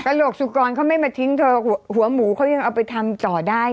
โหลกสุกรเขาไม่มาทิ้งเธอหัวหมูเขายังเอาไปทำต่อได้